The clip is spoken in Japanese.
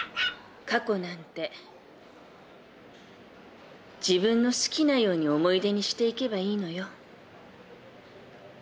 過去なんて自分の好きなように思い出にしていけばいいのよ。